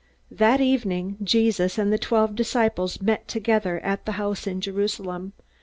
That evening Jesus and the twelve disciples met together at the house in Jerusalem.